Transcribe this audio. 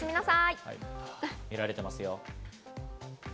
見られてますよ。